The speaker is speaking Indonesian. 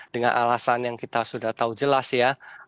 dengan alasan yang kita sudah tahu jelas ya